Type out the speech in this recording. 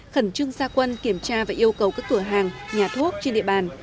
khẩn trương gia quân kiểm tra và yêu cầu các cửa hàng nhà thuốc trên địa bàn